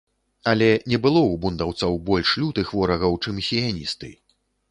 Але не было ў бундаўцаў больш лютых ворагаў, чым сіяністы.